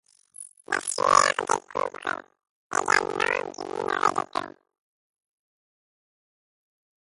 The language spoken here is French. Le Sueur découvre également du minerai de plomb.